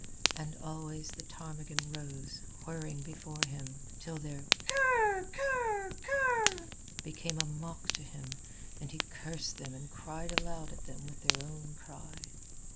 And always the ptarmigan rose, whirring, before him, till their ker ker ker became a mock to him, and he cursed them and cried aloud at them with their own cry.